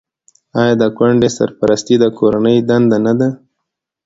آیا د کونډې سرپرستي د کورنۍ دنده نه ده؟